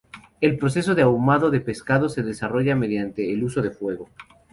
El proceso de ahumado de pescado se desarrolla mediante el uso de fuego.